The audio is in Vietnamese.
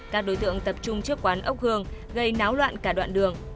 các đối tượng tập trung trước quán ốc hương gây náo loạn cả đoạn đường